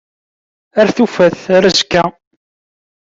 Ar tufat. Ar azekka.